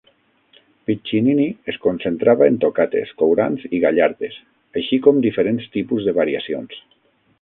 Piccinini es concentrava en tocates, courants i gallardes, així com diferents tipus de variacions.